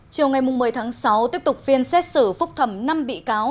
chiều ngày một mươi tháng sáu tiếp tục phiên xét xử phúc thẩm năm bị cáo